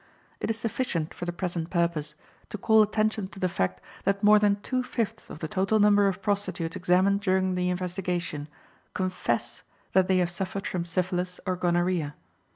It is sufficient, for the present purpose, to call attention to the fact that more than two fifths of the total number of prostitutes examined during the investigation CONFESS that they have suffered from syphilis or gonorrhoea.